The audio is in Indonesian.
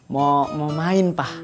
mau main pak